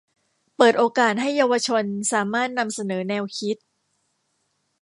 เปิดโอกาสให้เยาวชนสามารถนำเสนอแนวคิด